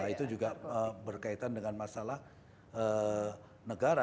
itu juga berkaitan dengan masalah negara